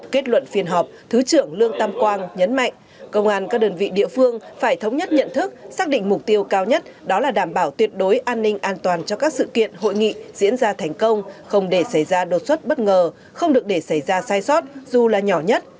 kết luận phiên họp thứ trưởng lương tam quang nhấn mạnh công an các đơn vị địa phương phải thống nhất nhận thức xác định mục tiêu cao nhất đó là đảm bảo tuyệt đối an ninh an toàn cho các sự kiện hội nghị diễn ra thành công không để xảy ra đột xuất bất ngờ không được để xảy ra sai sót dù là nhỏ nhất